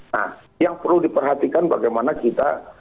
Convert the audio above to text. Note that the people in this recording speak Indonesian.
nah yang perlu diperhatikan bagaimana kita